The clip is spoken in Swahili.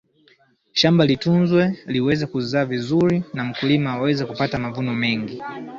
shamba litunzwe liweze kuzaa vizuri na mkulima aweze kupata mavuno mengi